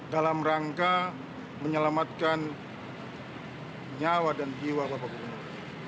dalam rangka menyelamatkan nyawa dan jiwa bapak gubernur